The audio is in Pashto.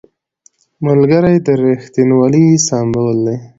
ملګری د رښتینولۍ سمبول دی